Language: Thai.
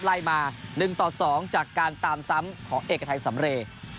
ไล่มา๑ต่อ๒จากการตามซ้ำของเอกไทยสำเรย์